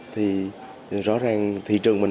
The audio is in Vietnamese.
thì rõ ràng thị trường mình